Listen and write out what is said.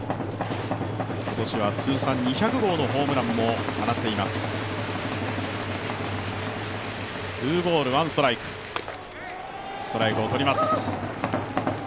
今年は通算２００号のホームランも放っています。